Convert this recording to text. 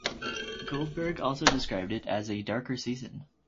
Goldberg also described it as "a darker season".